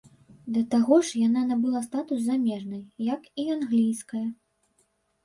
Да таго ж яна набыла статус замежнай, як і англійская.